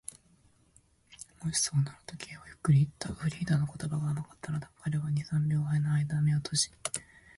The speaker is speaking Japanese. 「もしそうなら」と、Ｋ はゆっくりといった。フリーダの言葉が甘かったのだ。彼は二、三秒のあいだ眼を閉じ、その言葉を身体全体にしみとおらせようとした。